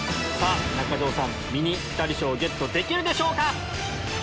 中条さんミニピタリ賞ゲットできるでしょうか